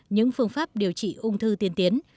những phương pháp điều trị ung thư tiên tiến